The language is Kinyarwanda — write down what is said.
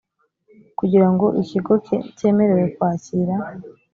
kugira ngo ikigo cyemererwe kwakira